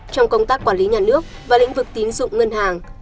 trong công tác quản lý nhà nước và lĩnh vực tín dụng ngân hàng